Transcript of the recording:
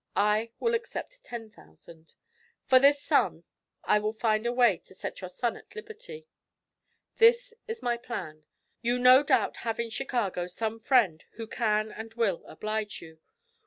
I will accept ten thousand. For this sum I will find a way to set your son at liberty. 'This is my plan: You no doubt have in Chicago some friend who can and will oblige you.